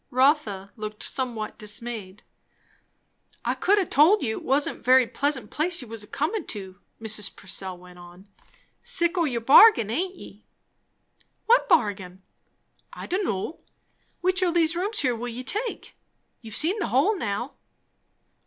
Rotha looked somewhat dismayed. "I could ha' told you, it wasn't a very pleasant place you was a comin' to," Mrs. Purcell went on. "Sick o' your bargain, aint ye?" "What bargain?" "I don' know! Which o' these here rooms will you take? You've seen the whole now."